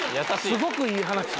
すごくいい話。